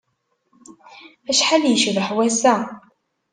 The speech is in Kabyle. Acḥal yecbeḥ wass-a!